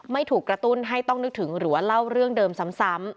ไม่ถูกกระตุ้นให้ต้องนึกถึงหรือว่าเล่าเรื่องเดิมซ้ำ